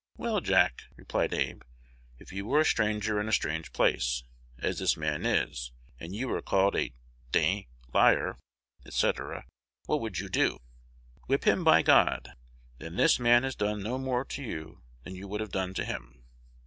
"Well, Jack," replied Abe, "if you were a stranger in a strange place, as this man is, and you were called a d d liar, &c., what would you do?" "Whip him, by God!" "Then this man has done no more to you than you would have done to him."